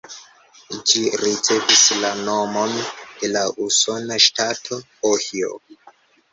Ĝi ricevis la nomon de la usona ŝtato Ohio.